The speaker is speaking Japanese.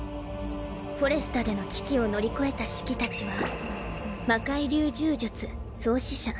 フォレスタでの危機を乗り越えたシキたちは魔械流重術創始者